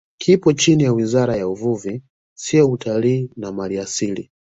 Kipo chini ya Wizara ya Uvuvi Sio Utalii na Maliasili